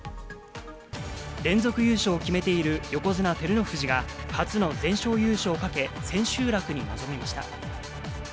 連続優勝を決めている横綱・照ノ富士が、初の全勝優勝をかけ千秋楽に臨みました。